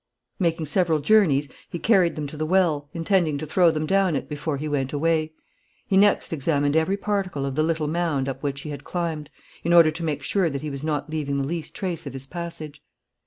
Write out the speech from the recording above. Making several journeys, he carried them to the well, intending to throw them down it before he went away. He next examined every particle of the little mound up which he had climbed, in order to make sure that he was not leaving the least trace of his passage.